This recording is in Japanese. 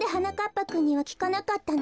ぱくんにはきかなかったの？